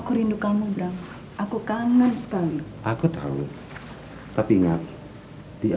karena aku bawa barang halus ini